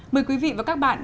mời quý vị và các bạn